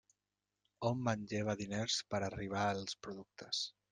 Hom manlleva diners per arribar als productes.